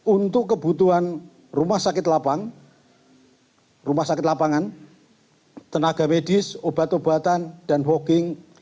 untuk kebutuhan rumah sakit lapangan rumah sakit lapangan tenaga medis obat obatan dan hoking